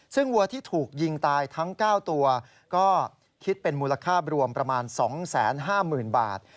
ซึ่งวัวที่ถูกยิงตายทั้ง๙ตัวก็คิดเป็นมูลค่ารวมประมาณ๒๕๐๐๐บาท